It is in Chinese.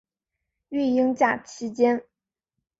育婴假期间